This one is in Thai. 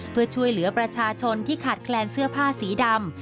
เพื่อช่วยเหลือประชาชนที่ขาดแคลนเสื้อผ้าสีดำ